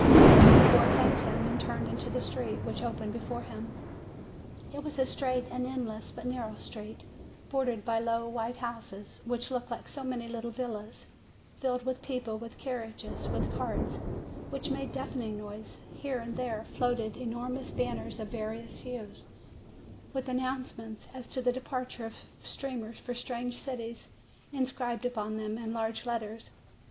The boy thanked him, and turned into the street which opened before him. It was a straight and endless but narrow street, bordered by low white houses, which looked like so many little villas, filled with people, with carriages, with carts which made a deafening noise; here and there floated enormous banners of various hues, with announcements as to the departure of steamers for strange cities inscribed upon them in large letters.